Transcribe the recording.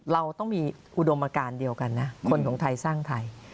เราต้องมีอุดมการเดียวกันนะคนของไทยสร้างไทย